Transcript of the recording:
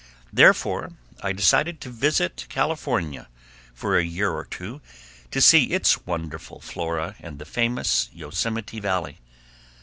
Therefore I decided to visit California for a year or two to see its wonderful flora and the famous Yosemite Valley.